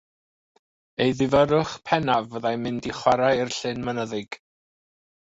Ei ddifyrrwch pennaf fyddai mynd i chware i'r llyn mynyddig.